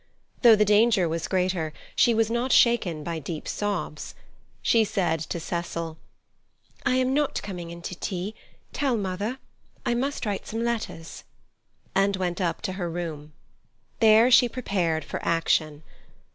Though the danger was greater, she was not shaken by deep sobs. She said to Cecil, "I am not coming in to tea—tell mother—I must write some letters," and went up to her room. Then she prepared for action.